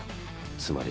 つまり。